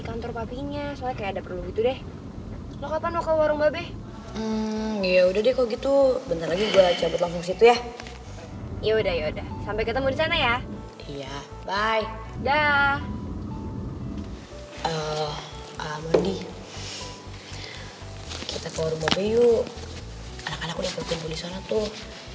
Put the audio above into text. kita ke rumah beyu anak anak udah kekumpul disana tuh